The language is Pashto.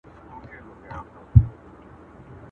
نوي یې راوړي تر اټکه پیغامونه دي٫